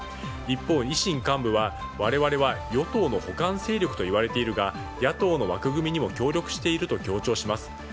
一方、維新幹部は、我々は与党の補完勢力といわれているが野党の枠組みにも協力していると強調します。